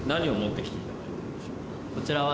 こちらは。